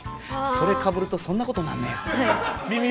それかぶるとそんなことなんねや。